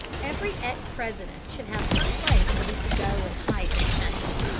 Every ex President should have some place where he could go and hide his shame.